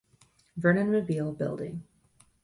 Vernon Mabile Building.